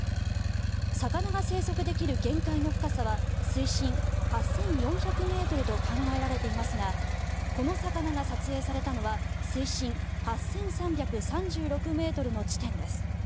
魚が生息できる限界の深さは水深８４００ｍと考えられていますがこの魚が撮影されたのは水深８３３６ｍの地点です。